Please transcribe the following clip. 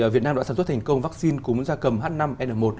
việt nam đã sản xuất thành công vaccine cúng gia cầm ah năm n một